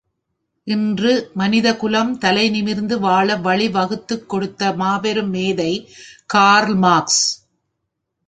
இன்று மனிதகுலம் தலை நிமிர்ந்து வாழ வழி வகுத்துக் கொடுத்த மாபெரும் மேதை கார்ல் மார்க்ஸ்.